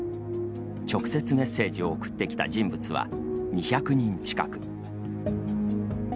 直接メッセージを送ってきた人物は２００人近く。